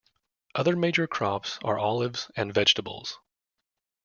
Other major crops are olives and vegetables.